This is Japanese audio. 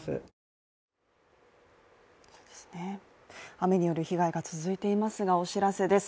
雨による被害が続いていますがお知らせです。